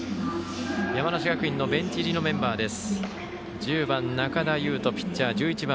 山梨学院のベンチ入りメンバーです。